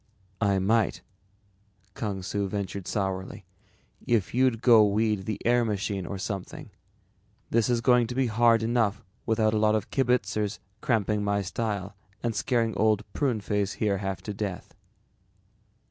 "I might," Kung Su ventured sourly, "if you'd go weed the air machine or something. This is going to be hard enough without a lot of kibitzers cramping my style and scaring Old Pruneface here half to death."